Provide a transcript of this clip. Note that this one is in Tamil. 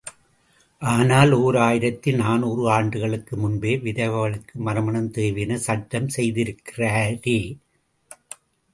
ஆனால் ஓர் ஆயிரத்து நாநூறு ஆண்டுகளுக்கு முன்பே, விதவைகளுக்கு மறுமணம் தேவையெனச் சட்டம் செய்திருக்கிறாரே!